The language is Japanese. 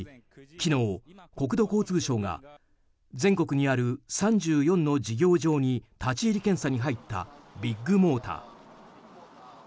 昨日、国土交通省が全国にある３４の事業場に立ち入り検査に入ったビッグモーター。